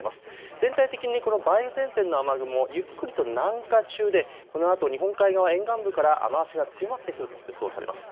全体的にこの梅雨前線の雨雲、ゆっくりと南下中でこのあと日本海側、沿岸部から雨足が強まってくると予想されます。